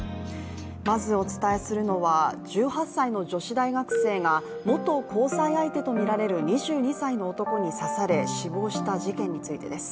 まずお伝えするのは１８歳の女子大学生が元交際相手とみられる２２歳の男に刺され、死亡した事件についてです。